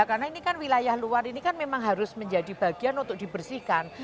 karena ini kan wilayah luar ini kan memang harus menjadi bagian untuk dibersihkan